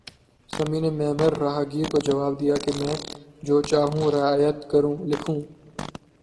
semi نے معمر راہگیر کو جواب دیا کہ میں جو چاہوں بہ رعایت لکھوں